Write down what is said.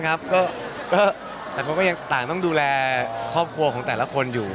แต่ตังก็จะต้องดูแลครอบครัวของแต่ละคนอยู่